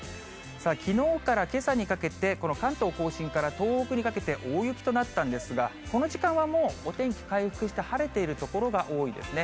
きのうからけさにかけて、この関東甲信から東北にかけて大雪となったんですが、この時間はもうお天気回復して、晴れている所が多いですね。